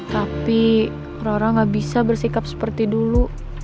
tapi rora gak bisa bersikap seperti dulu